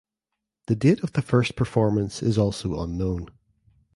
The date of the first performance is also unknown.